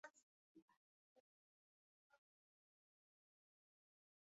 “Urababara?” yatakambiye I. ati: "Rum," “Ngomba kuva hano. Rum!